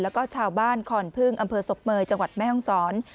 แล้วก็ชาวบ้านคอนพึ่งอำเภอศพเมยจังหวัดแม่ห้องศร